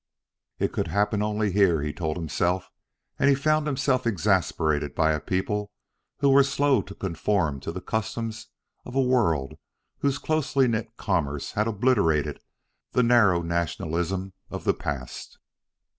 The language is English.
"It could happen only here," he told himself. And he found himself exasperated by a people who were slow to conform to the customs of a world whose closely knit commerce had obliterated the narrow nationalism of the past.